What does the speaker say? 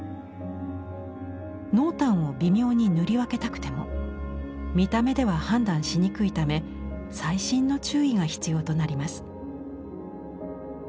濃淡を微妙に塗り分けたくても見た目では判断しにくいため細心の注意が必要となります。